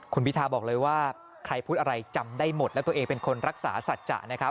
คุณพิทาบอกเลยว่าใครพูดอะไรจำได้หมดแล้วตัวเองเป็นคนรักษาสัจจะนะครับ